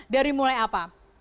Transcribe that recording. dari mulai apa